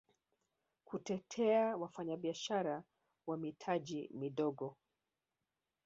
kutetea wafanyabiashara wa mitaji midogo